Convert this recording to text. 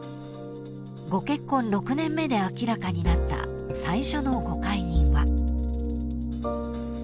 ［ご結婚６年目で明らかになった最初のご懐妊は］